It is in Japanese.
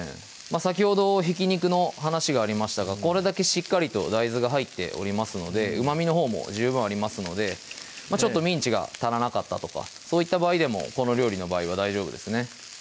先ほどひき肉の話がありましたがこれだけしっかりと大豆が入っておりますのでうまみのほうも十分ありますのでちょっとミンチが足らなかったとかそういった場合でもこの料理の場合は大丈夫ですね